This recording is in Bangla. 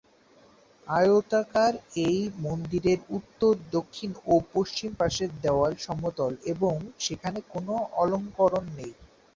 আয়তাকার এ মন্দিরের উত্তর, দক্ষিণ ও পশ্চিম পাশের দেয়াল সমতল এবং সেখানে কোন অলংকরণ নেই।